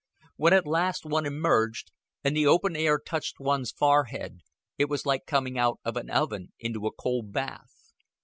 When at last one emerged, and the open air touched one's forehead, it was like coming out of an oven into a cold bath.